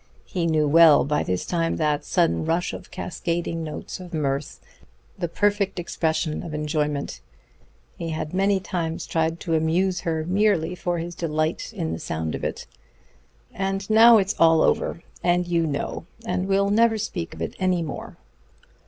He knew well by this time that sudden rush of cascading notes of mirth, the perfect expression of enjoyment; he had many times tried to amuse her merely for his delight in the sound of it. "And now it's all over, and you know and we'll never speak of it any more."